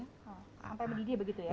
sampai mendidih begitu ya